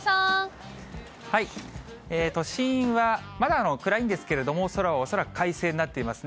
都心はまだ暗いんですけれども、空は恐らく快晴になっていますね。